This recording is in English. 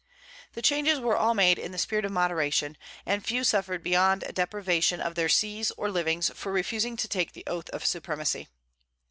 The changes were all made in the spirit of moderation, and few suffered beyond a deprivation of their sees or livings for refusing to take the oath of supremacy.